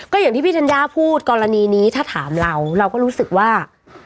อย่างที่พี่ธัญญาพูดกรณีนี้ถ้าถามเราเราก็รู้สึกว่า